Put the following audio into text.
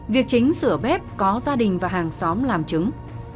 việc chính sửa bếp có gia đình và hàng xóm làm trứng